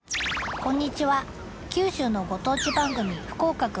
こんにちは九州のご当地番組「福岡くん。」